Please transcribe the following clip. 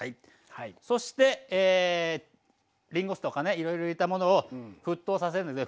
そしてりんご酢とかねいろいろ入れたものを沸騰させるんですね。